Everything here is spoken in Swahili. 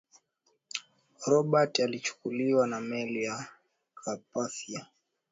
robert alichukuliwa na meli ya carpathia